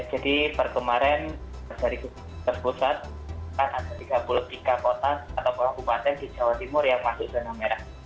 jadi perkemarin dari keputusan ada tiga puluh tiga kota atau pembantian di jawa timur yang masuk zona merah